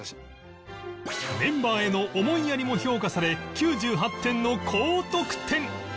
メンバーへの思いやりも評価され９８点の高得点